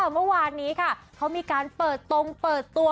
เมื่อวานนี้ค่ะเขามีการเปิดตรงเปิดตัว